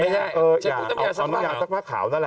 เอาน้ำยาซักผ้าขาวนั่นแหละ